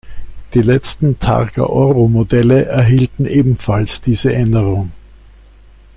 Die letzten "Targa Oro"-Modelle erhielten ebenfalls diese Änderung.